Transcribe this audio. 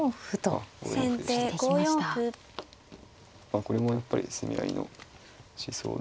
これもやっぱり攻め合いの思想ですね。